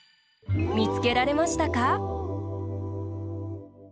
みつけられましたか？